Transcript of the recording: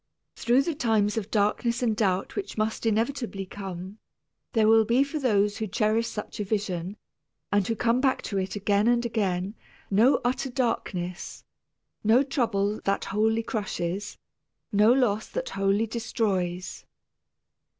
Through the times of darkness and doubt which must inevitably come, there will be for those who cherish such a vision, and who come back to it again and again, no utter darkness, no trouble that wholly crushes, no loss that wholly destroys.